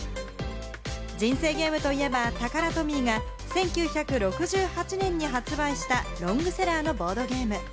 『人生ゲーム』といえばタカラトミーが１９６８年に発売したロングセラーのボードゲーム。